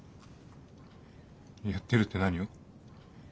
やってるって何を？